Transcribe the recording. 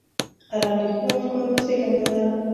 قلم د ښو افکارو زېږنده ده